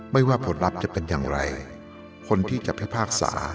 ไม่ว่าผลลัพธ์จะเป็นอย่างไรคนที่จะให้ภาคสา